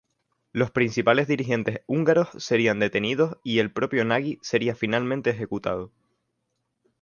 Los principales dirigentes húngaros serían detenidos, y el propio Nagy sería finalmente ejecutado.